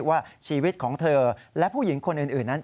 ว่าชีวิตของเธอและผู้หญิงคนอื่นนั้น